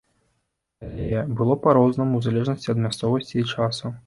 Але было па-рознаму ў залежнасці ад мясцовасці і часу.